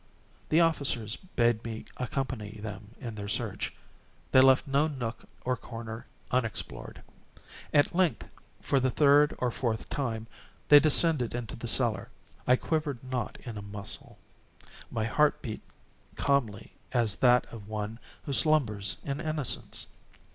The officers bade me accompany them in their search. They left no nook or corner unexplored. At length, for the third or fourth time, they descended into the cellar. I quivered not in a muscle. My heart beat calmly as that of one who slumbers in innocence.